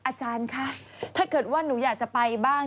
อาจารย์คะถ้าเกิดว่าหนูอยากจะไปบ้าง